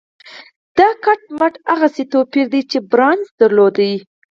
دا کټ مټ هماغسې توپير دی چې بارنس درلود.